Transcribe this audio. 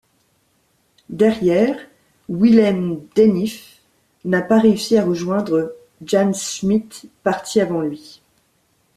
Derrière, Wilhelm Denifl n'a pas réussi à rejoindre Jan Schmid parti avant lui.